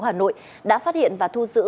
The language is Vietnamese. công an thành phố hà nội đã phát hiện và thu giữ